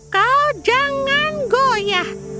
kau jangan goyah